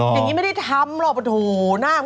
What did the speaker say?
อย่างนี้ไม่ได้ทำหล่อปะโถหน้ามัน